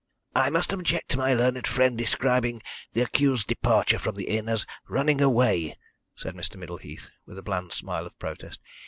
"I must object to my learned friend describing the accused's departure from the inn as 'running away,'" said Mr. Middleheath, with a bland smile of protest.